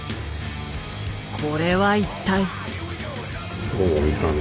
これは一体。